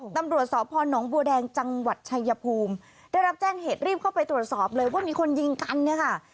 ตำรวจสพนบัวแดงจังหวัดชายภูมิได้รับแจ้งเหตุรีบเข้าไปตรวจสอบเลยว่ามีคนยิงกันเนี่ยค่ะ